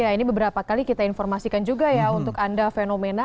ya ini beberapa kali kita informasikan juga ya untuk anda fenomena